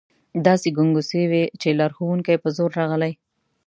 داسې ګنګوسې وې چې لارښوونکي په زور راغلي.